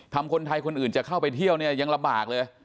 คนไทยคนอื่นจะเข้าไปเที่ยวเนี่ยยังลำบากเลย